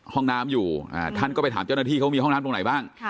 ห้องน้ำอยู่ท่านก็ไปถามเจ้าหน้าที่เขามีห้องน้ำตรงไหนบ้าง